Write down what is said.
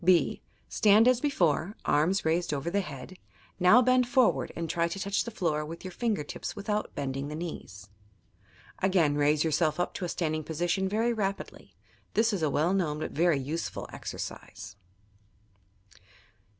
(b) Stand as before, arms raised over the head; now bend forward and try to touch the floor with your finger tips without bending the knees. Again raise yourself to a standing position very rapidly. This is a well known but very useful exercise.